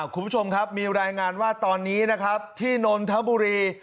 คุณผู้ชมครับมีรายงานว่าตอนนี้นะครับที่นนทบุรี